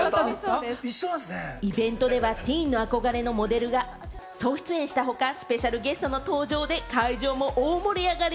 イベントではティーンの憧れのモデルが総出演した他、スペシャルゲストの登場で、会場も大盛り上がり。